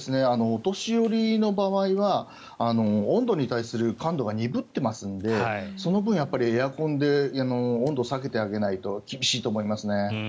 お年寄りの場合は温度に対する感度が鈍ってますのでその分、エアコンで温度を下げてあげないと厳しいと思いますね。